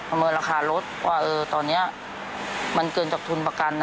เมินราคารถว่าตอนนี้มันเกินจากทุนประกัน